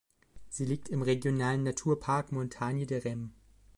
Sie liegt im Regionalen Naturpark Montagne de Reims.